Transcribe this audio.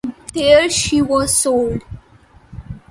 There she was sold.